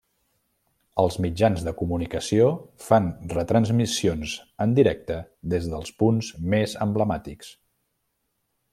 Els mitjans de comunicació fan retransmissions en directe des dels punts més emblemàtics.